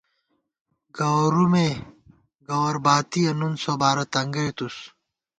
گوَرُومے گوَر باتِیَہ ، نُن سوبارہ تنگئی تُس